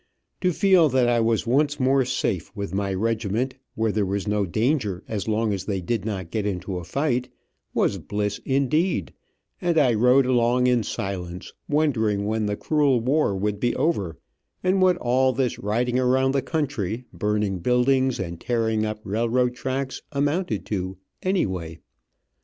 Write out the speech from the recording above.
To feel that I was once more safe with my regiment, where there was no danger as long as they did not get into a fight, was bliss indeed, and I rode along in silence, wondering when the cruel war would be over, and what all this riding around the country, burning buildings and tearing up railroad tracks amounted to, anyway.